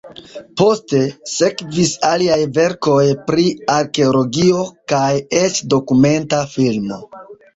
Poste sekvis aliaj verkoj pri arkeologio kaj eĉ dokumenta filmo.